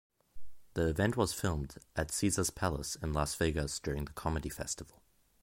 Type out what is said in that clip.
The event was filmed at Caesar's Palace in Las Vegas during The Comedy Festival.